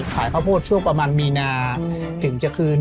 ข้าวโพดช่วงประมาณมีนาถึงจะคืน